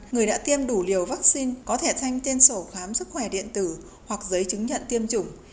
người đã tiêm đủ liều vaccine có thể thanh tên sổ khám sức khỏe điện tử hoặc giấy chứng nhận tiêm chủng